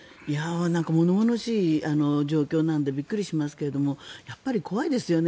物々しい状況なんでびっくりしますけどやっぱり怖いですよね。